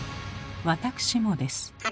私もです。